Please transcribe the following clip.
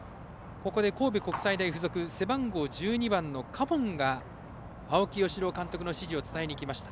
ここで、神戸国際大付属背番号１２番の加門が青木尚龍監督の指示を伝えに行きました。